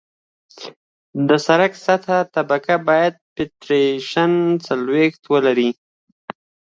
د سرک سطحي طبقه باید پینټریشن څلوېښت ولري